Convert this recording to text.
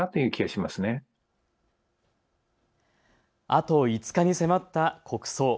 あと５日に迫った国葬。